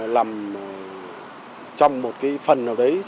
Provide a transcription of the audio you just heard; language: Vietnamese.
làm trong một phần